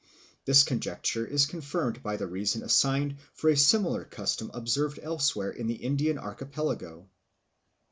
This conjecture is confirmed by the reason assigned for a similar custom observed elsewhere in the Indian Archipelago.